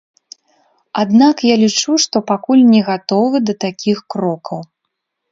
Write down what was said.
Аднак я лічу, што пакуль не гатовы да такіх крокаў.